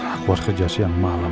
aku harus kerja siang malam